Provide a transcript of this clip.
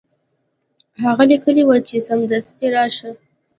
هغه لیکلي وو چې سمدستي راشه.